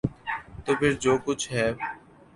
تو پھر جو کچھ ہے۔